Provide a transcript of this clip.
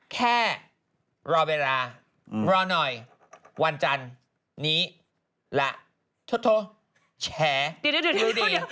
แค่รอเวลารอหน่อยวันจันทร์นี้และแชร์รู้ดี